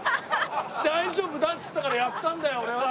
大丈夫だっつったからやったんだよ俺は！